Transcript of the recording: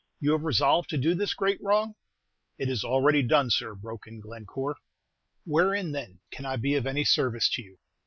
You have resolved to do this great wrong?" "It is already done, sir," broke in Glencore. "Wherein, then, can I be of any service to you?"